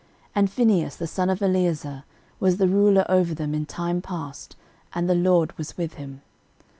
13:009:020 And Phinehas the son of Eleazar was the ruler over them in time past, and the LORD was with him.